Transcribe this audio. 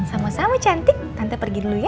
sama sama cantik tante pergi dulu ya